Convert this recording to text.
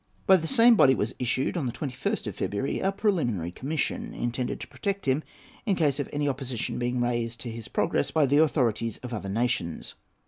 By the same body was issued, on the 21st of February, a preliminary commission, intended to protect him in case of any opposition being raised to his progress by the authorities of other nations.